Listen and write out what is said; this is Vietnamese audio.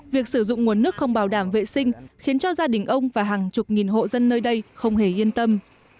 việc sử dụng nguồn nước không bảo đảm vệ sinh khiến cho gia đình ông và hàng chục nghìn hộ dân nơi đây không hề yên tâm